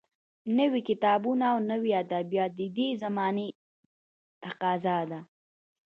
نوي کتابونه او نوي ادبیات د دې زمانې تقاضا ده